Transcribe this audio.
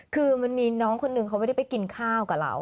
คือมันมีน้องคนหนึ่งเขาไม่ได้ไปกินข้าวกับเรา